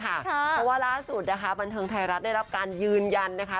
เพราะว่าล่าสุดนะคะบันเทิงไทยรัฐได้รับการยืนยันนะคะ